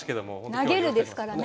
「投げる」ですからね